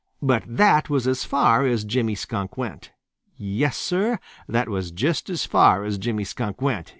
But that was as far as Jimmy Skunk went. Yes, Sir, that was just as far as Jimmy Skunk went.